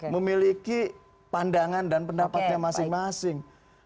memiliki pandangan dan pendapatnya masing masing